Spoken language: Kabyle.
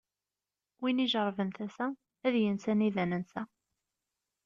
Win ijeṛben tasa, ad yens anida nensa.